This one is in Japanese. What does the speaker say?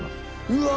うわ！